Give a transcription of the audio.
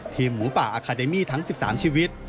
หมูป่าอาคาเดมี่ทั้ง๑๓ชีวิต